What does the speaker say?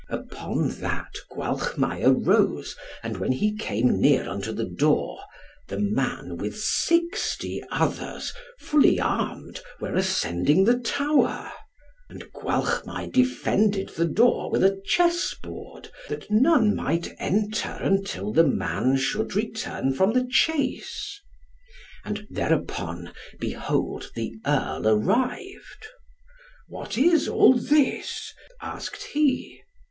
Upon that Gwalchmai arose, and when he came near unto the door, the man, with sixty others, fully armed, were ascending the tower. And Gwalchmai defended the door with a chessboard, that none might enter until the man should return from the chase. And thereupon, behold the earl arrived. "What is all this?" asked he.